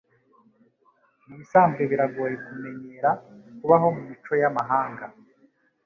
Mubisanzwe biragoye kumenyera kubaho mumico yamahanga.